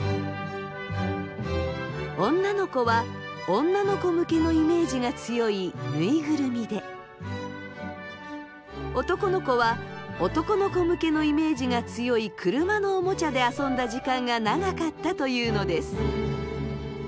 女の子は女の子向けのイメージが強いぬいぐるみで男の子は男の子向けのイメージが強い車のおもちゃで遊んだ時間が長かったというのです。